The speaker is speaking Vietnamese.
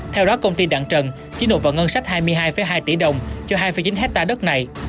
theo đó công ty đặng trần chỉ nộp vào ngân sách hai mươi hai hai tỷ đồng cho hai chín hectare đất này